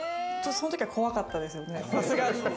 そのときは怖かったですね。